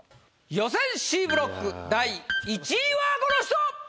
予選Ｃブロック第１位はこの人！